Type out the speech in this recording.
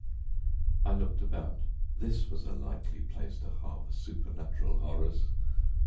I looked about. This was a likely place to harbour supernatural horrors!